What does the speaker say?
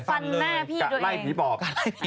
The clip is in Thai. กระไลธ์ผีปอบ